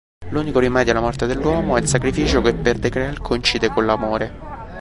L'unico rimedio alla morte dell'Uomo è il sacrificio che per Degrelle coincide con l'amore.